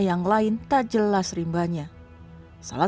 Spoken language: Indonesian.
ketika dia berbunceng dia berbunceng